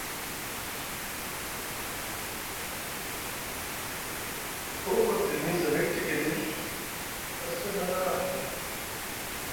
Koo war dilimi sʼevek tekeɗe, a sɗa ɓa a na ahani.